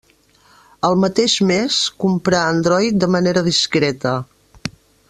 El mateix mes comprà Android de manera discreta.